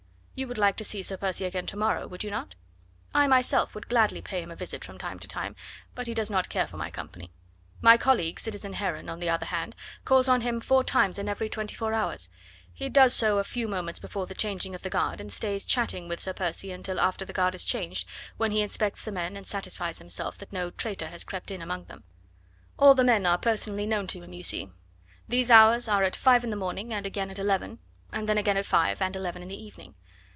You would like to see Sir Percy again to morrow, would you not? I myself would gladly pay him a visit from time to time, but he does not care for my company. My colleague, citizen Heron, on the other hand, calls on him four times in every twenty four hours; he does so a few moments before the changing of the guard, and stays chatting with Sir Percy until after the guard is changed, when he inspects the men and satisfies himself that no traitor has crept in among them. All the men are personally known to him, you see. These hours are at five in the morning and again at eleven, and then again at five and eleven in the evening.